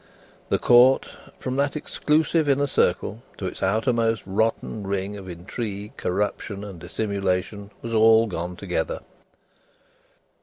The Court, from that exclusive inner circle to its outermost rotten ring of intrigue, corruption, and dissimulation, was all gone together.